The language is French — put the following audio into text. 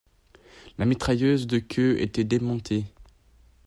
La mitrailleuse de queue était démontée.